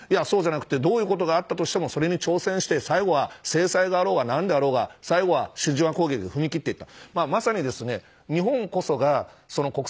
どういうことがあったとしてもそれに挑戦して最後は制裁があろうが何であろうが最後は真珠湾攻撃に踏み切っていった。